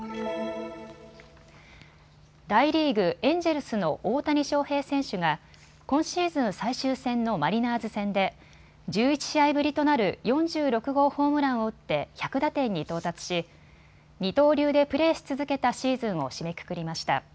大リーグ、エンジェルスの大谷翔平選手が今シーズン最終戦のマリナーズ戦で１１試合ぶりとなる４６号ホームランを打って１００打点に到達し二刀流でプレーし続けたシーズンを締めくくりました。